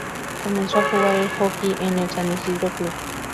Comenzó a jugar al hockey en el San Isidro Club.